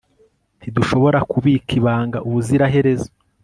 ntidushobora kubika ibanga ubuziraherezo